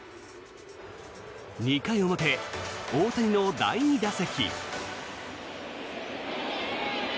２回表、大谷の第２打席。